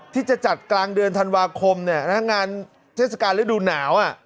ที่จะจัดกลางเดือนธันวาคมงานเทศกาลฤดูหนาว